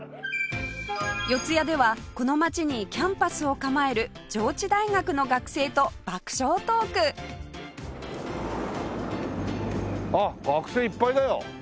四ツ谷ではこの街にキャンパスを構える上智大学の学生と爆笑トークあっ学生いっぱいだよ。